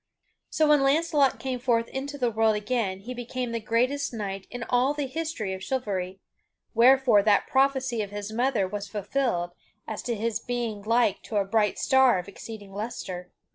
So when Launcelot came forth into the world again he became the greatest knight in all the history of chivalry, wherefore that prophecy of his mother was fulfilled as to his being like to a bright star of exceeding lustre.